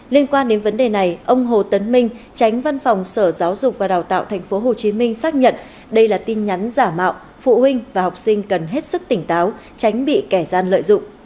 liên quan đến vấn đề này ông hồ tấn minh tránh văn phòng sở giáo dục và đào tạo tp hcm xác nhận đây là tin nhắn giả mạo phụ huynh và học sinh cần hết sức tỉnh táo tránh bị kẻ gian lợi dụng